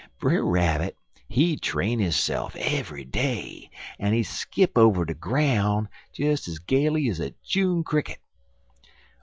Brer Rabbit he train hisse'f eve'y day, en he skip over de groun' des ez gayly ez a June cricket.